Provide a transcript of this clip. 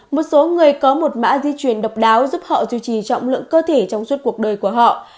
một số người có một mã di truyền độc đáo giúp họ duy trì trọng lượng cơ thể trong suốt cuộc đời của họ